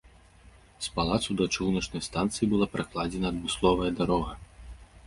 З палацу да чыгуначнай станцыі была пракладзена адмысловая дарога.